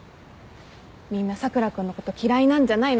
みんな佐倉君のこと嫌いなんじゃないの。